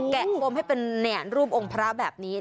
แกะโฟมให้เป็นแหน่นรูปองค์พระแบบนี้